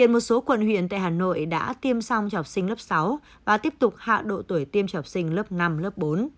một số quận huyện tại hà nội đã tiêm xong cho học sinh lớp sáu và tiếp tục hạ độ tuổi tiêm cho học sinh lớp năm lớp bốn